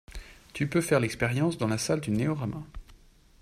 Tu peux faire l'expérience dans la salle du Néorama.